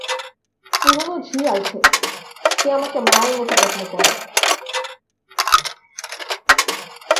পুরানো ঝি আছে, সে আমাকে মায়ের মতো যত্ন করে।